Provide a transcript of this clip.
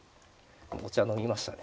お茶飲みましたね。